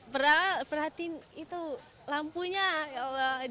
pernah perhatiin itu lampunya